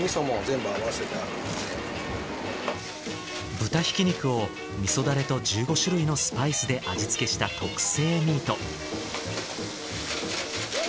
豚ひき肉を味噌ダレと１５種類のスパイスで味付けした特製ミート。